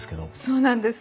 そうなんです。